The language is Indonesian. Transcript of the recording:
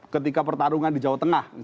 ketika pertarungan di jawa tengah